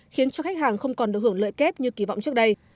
khiến cho khách hàng không còn được hưởng lợi kép như kỳ vọng trước đây